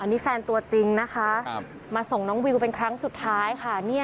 นี่แฟนตัวจริงนะคะมาส่งน้องวิวเป็นครั้งสุดท้ายค่ะ